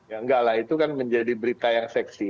ya enggak lah itu kan menjadi berita yang seksi